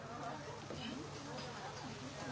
えっ？